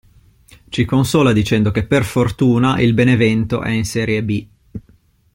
Ci consola dicendo che per fortuna il Benevento è in serie B.